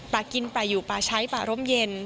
ปลากินปลาอยู่ปลาใช้ปลาร่มเย็น